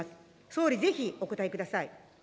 総理、ぜひお答えください。